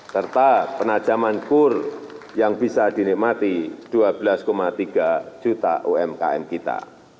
serta penajaman kur yang bisa dinikmati dua belas tiga juta umkm kita